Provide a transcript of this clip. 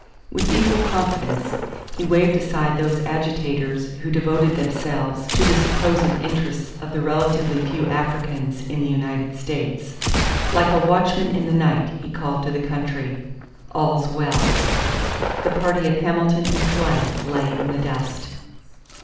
With equal confidence, he waved aside those agitators who devoted themselves "to the supposed interests of the relatively few Africans in the United States." Like a watchman in the night he called to the country: "All's well." The party of Hamilton and Clay lay in the dust.